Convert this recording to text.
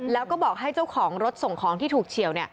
แล้วก็บอกให้เจ้าของรถส่งของที่ถูกเฉียว